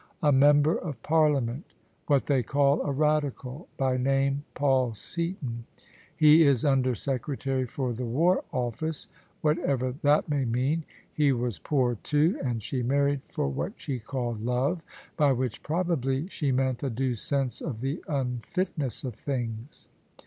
" A Member of Parliament — ^what they call a Radical — by name Paul Seaton. He is Under Secretary for the War Office, whatever that may mean. He was poor, too, and she married for what she called love : by which probably she meant a due sense of the unfitness of things."